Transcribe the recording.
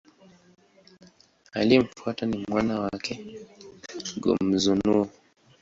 Aliyemfuata ni mwana wake, Go-Mizunoo.